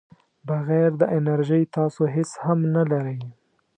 بغیر د انرژۍ تاسو هیڅ هم نه لرئ.